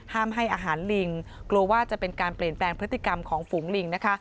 ให้อาหารลิงกลัวว่าจะเป็นการเปลี่ยนแปลงพฤติกรรมของฝูงลิงนะคะ